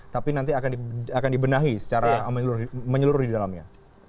tapi nanti akan dibenahi secara menyeluruh di dalamnya